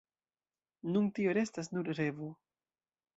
Nun tio restas nur revo.